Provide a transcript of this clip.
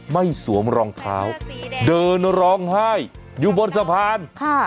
สวมรองเท้าเดินร้องไห้อยู่บนสะพานค่ะ